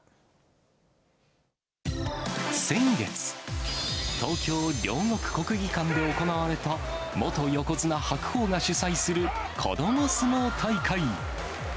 先月、東京・両国国技館で行われた元横綱・白鵬が主催する子ども相撲大会。